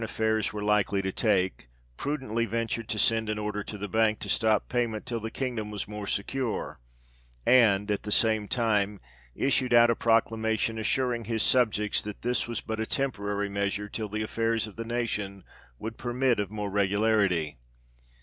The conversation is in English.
15 affairs were likely to take, prudently ventured to send an order to the Bank to stop payment till the kingdom was more secure, and, at the same time, issued out a proclamation, assuring his subjects that this was but a temporary measure, till the affairs of the nation would permit of more regularity.